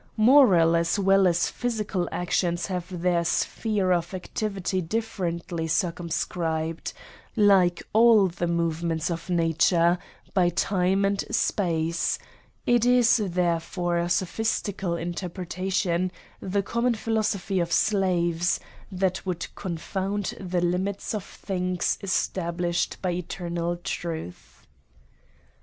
Moral as well as physical actions have their sphere of activity differently circumscribed, like all the movements of nature, by time and space ; it is therefore a sophistical interpretation, the common philosophy of slaves, that would con found the limits of things established by eternal truth.